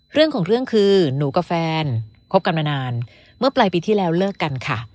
เรื่องของเรื่องคือหนูกับแฟนคบกันมานานเมื่อปลายปีที่แล้วเลิกกันค่ะ